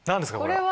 これは。